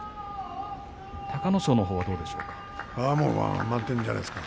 隆の勝のほうはどうですか。